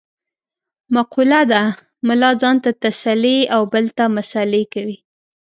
مقوله ده : ملا ځان ته تسلې او بل ته مسعلې کوي.